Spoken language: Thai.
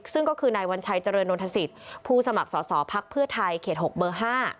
ซึ่งก็คือนายวัญชัยเจริญนทศิษย์ผู้สมัครสอสอภักดิ์เพื่อไทยเขต๖เบอร์๕